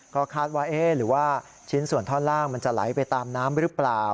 ก็คาดว่าเอ๊ะหรือว่าชิ้นส่วนท่อนล่างมันจะไหลไปตามน้ำหรือเปล่า